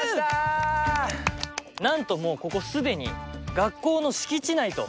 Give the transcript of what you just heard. なんともうここ既に学校の敷地内と。